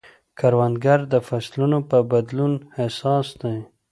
کروندګر د فصلونو په بدلون حساس دی